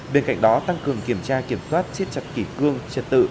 bên cạnh đó tăng cường kiểm tra kiểm soát xiết chặt kỷ cương trật tự